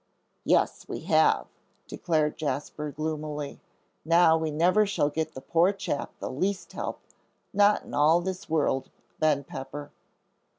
"Yes, we have," declared Jasper, gloomily. "Now we never shall get the poor chap the least help; not in all this world, Ben Pepper!"